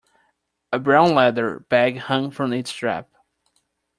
A brown leather bag hung from its strap.